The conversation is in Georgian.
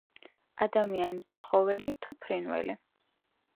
ადამიანი, ცხოველი თუ ფრინველი.